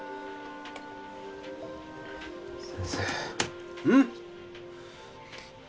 先生うん？